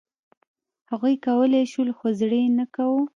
هغوی کولای شول، خو زړه یې نه کاوه.